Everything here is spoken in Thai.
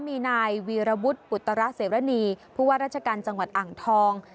มีนายวีรวุฒิอุตระเสรณีผู้ว่าราชการจังหวัดอ่างทอง